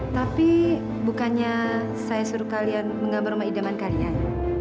tapi bukannya saya suruh kalian menggambar sama idaman kalian